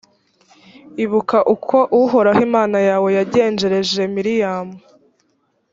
ibuka uko uhoraho imana yawe yagenjereje miriyamu.